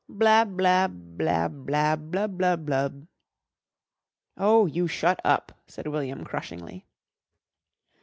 "Blab blab blab blab blub blub blub!" "Oh, you shut up!" said William crushingly.